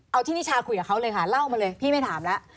เอาที่นิชาคุยกับเขาเลยค่ะเล่ามาเลยพี่ไม่ถามแล้ว